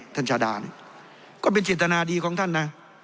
ท่านชาดารก็เป็นจิตนาดีของท่าน